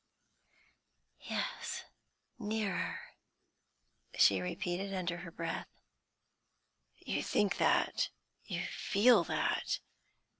"Yes, nearer," she repeated, under her breath. "You think that? You feel that?